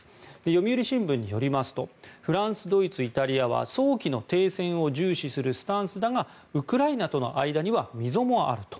読売新聞によりますとフランス、ドイツ、イタリアは早期の停戦を重視するスタンスだがウクライナとの間には溝もあると。